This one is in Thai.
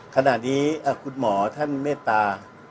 ขณะนี้คุณหมอท่านเมตตา